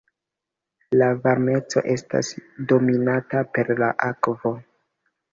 La varmeco estas donita per la akvo.